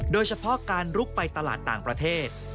โดยเฉพาะการลุกไปตลาดต่างประเทศ